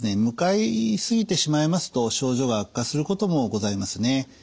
向かいすぎてしまいますと症状が悪化することもございますね。